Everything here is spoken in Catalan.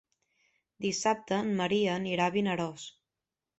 Dissabte en Maria anirà a Vinaròs.